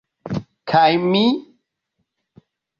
Kaj mi?